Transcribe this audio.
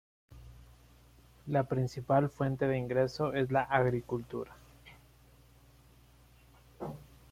La principal fuente de ingreso es la agricultura.